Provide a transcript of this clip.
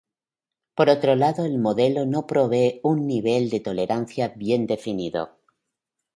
Por otro lado el modelo no provee un nivel de tolerancia bien definido.